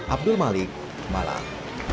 abdul malik malang